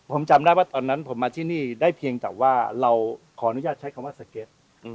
ผมจำได้ว่าตอนนั้นผมมาที่นี่ได้เพียงแต่ว่าเราขออนุญาตใช้คำว่าสเก็ต